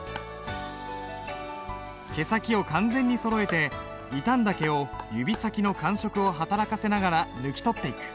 毛先を完全にそろえて傷んだ毛を指先の感触を働かせながら抜き取っていく。